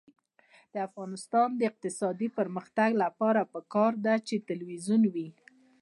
د افغانستان د اقتصادي پرمختګ لپاره پکار ده چې تلویزیون وي.